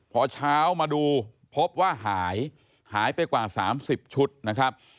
พอเช้ามาดูพบว่าหายหายไปกว่า๓๐ชุดนะครับ